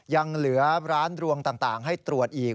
ยังเหลือร้านรวงต่างให้ตรวจอีก